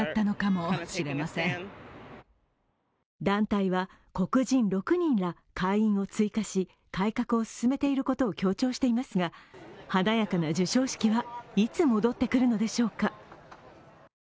団体は黒人６人ら会員を追加し改革を進めていることを強調していますが華やかな授賞式はいつ戻ってくるのでしょうか。